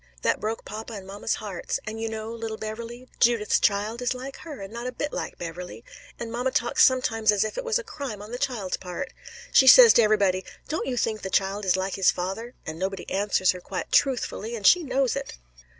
That broke papa and mamma's hearts. And you know little Beverley Judith's child is like her and not a bit like Beverley, and mamma talks sometimes as if it was a crime on the child's part. She says to everybody, 'Don't you think the child is like his father?' and nobody answers her quite truthfully, and she knows it."